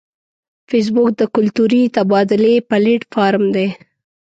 فېسبوک د کلتوري تبادلې پلیټ فارم دی